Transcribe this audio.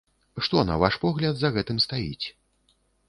Што, на ваш погляд, за гэтым стаіць?